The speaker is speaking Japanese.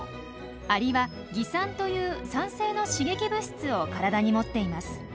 アリは「蟻酸」という酸性の刺激物質を体に持っています。